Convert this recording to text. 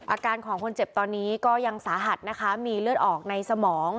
อาการของคนเจ็บตอนนี้ก็ยังสาหัสนะคะมีเลือดออกในสมอง